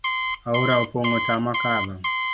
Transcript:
Aora opong' otama kadho